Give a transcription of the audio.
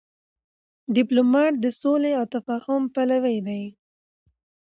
ډيپلومات د سولي او تفاهم پلوی دی.